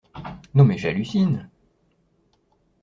Non mais j'hallucine!